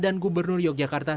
dan gubernur yogyakarta